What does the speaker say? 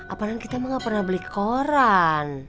apalagi kita mah gak pernah beli koran